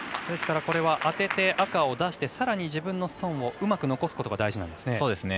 ですから、当てて赤を出しさらに自分のストーンをうまく残すことが大事ですね。